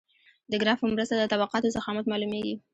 د ګراف په مرسته د طبقاتو ضخامت معلومیږي